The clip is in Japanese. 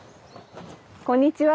こんにちは。